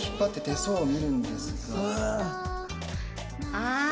ああ！